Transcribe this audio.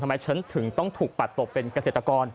ทำไมฉันถึงต้องถูกปัดตกเป็นเกษตรกร